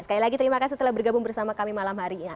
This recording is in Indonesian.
sekali lagi terima kasih telah bergabung bersama kami malam hari ini